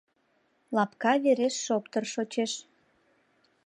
Лапка вереш шоптыр шочеш